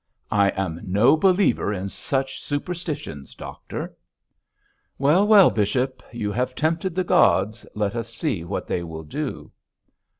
'I am no believer in such superstitions, doctor.' 'Well, well, bishop, you have tempted the gods, let us see what they will do.'